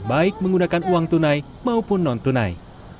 baik menggunakan uang tunai maupun non tunai